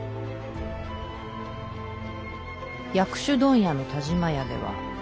薬種問屋の田嶋屋では。